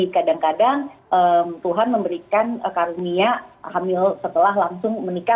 kadang kadang tuhan memberikan karunia hamil setelah langsung menikah